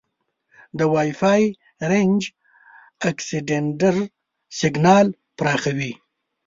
د وای فای رینج اکسټینډر سیګنال پراخوي.